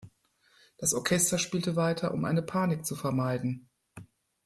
Das Orchester spielte weiter, um eine Panik zu vermeiden.